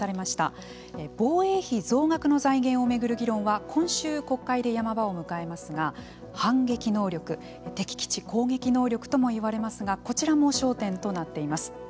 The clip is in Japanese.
防衛費増額の財源を巡る議論は今週、国会で山場を迎えますが反撃能力、敵基地攻撃能力ともいわれますがこちらも焦点となっています。